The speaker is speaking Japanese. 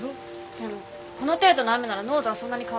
でもこの程度の雨なら濃度はそんなに変わんないよ。